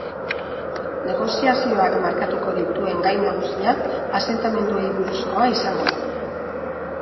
Negoziazioak markatuko dituen gai nagusia asentamenduei buruzkoa izango da.